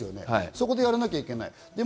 そこでやらなきゃいけない。